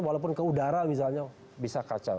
walaupun ke udara misalnya bisa kacau